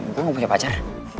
gue gak punya pacar